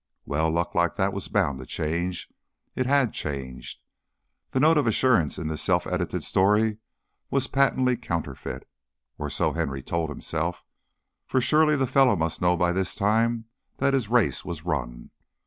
Well, luck like that was bound to change. It had changed. The note of assurance in this self edited story was patently counterfeit, or so Henry told himself, for surely the fellow must know by this time that his race was run.